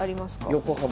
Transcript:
横浜。